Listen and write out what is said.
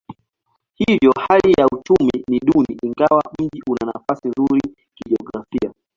Hivyo hali ya uchumi ni duni ingawa mji una nafasi nzuri kijiografia.